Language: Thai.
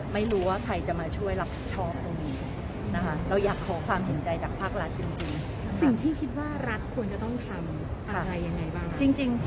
ไม่รู้ว่าใครหว่าได้มาช่วยรับผลดิบเราอยากโขละความผิดใจจากภากรัชท์จริง